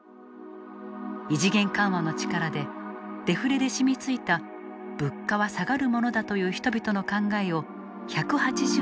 異次元緩和の力でデフレで染みついた物価は下がるものだという人々の考えを１８０度変える。